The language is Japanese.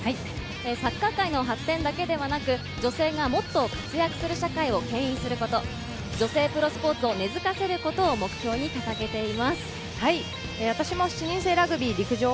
サッカー界の発展だけではなく、女性がもっと活躍する社会をけん引すること、女性プロスポーツを根付かせることを目標に掲げています。